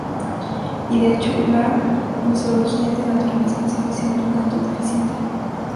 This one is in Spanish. Y, de hecho, la gnoseología del naturalismo ha sido siempre un tanto deficiente.